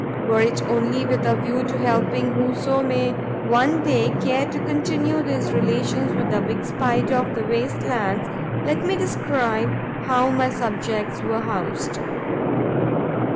Were it only with a view to helping whoso may one day care to continue these relations with the big Spider of the waste lands, let me describe how my subjects are housed.